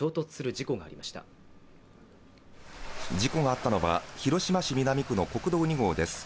事故があったのは広島市南区の国道２号です。